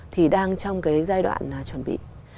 thì đang trong cái giai đoạn chuẩn bị